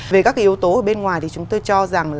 về các cái yếu tố ở bên ngoài thì chúng tôi cho rằng